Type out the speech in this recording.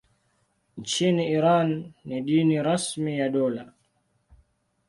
Nchini Iran ni dini rasmi ya dola.